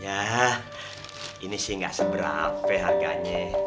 yah ini sih enggak seberapa harganya